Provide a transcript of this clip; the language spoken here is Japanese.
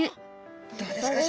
どうですか？